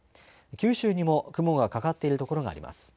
九州にも雲がかかっている所があります。